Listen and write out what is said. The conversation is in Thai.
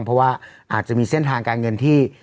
เพราะว่าอาจจะมีเส้นทางการเงินที่